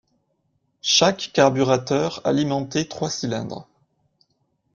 Chaque carburateur alimentait trois cylindres.